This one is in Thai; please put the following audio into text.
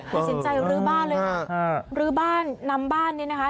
ตัดสินใจรื้อบ้านเลยค่ะลื้อบ้านนำบ้านเนี่ยนะคะ